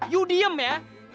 you diem ya